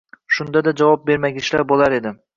Shunda-da javob bermagichlar bo‘lar edi.